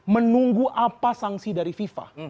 menunggu apa sanksi dari fifa